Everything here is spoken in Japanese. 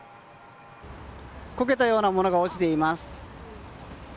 焦げたようなものが落ちています。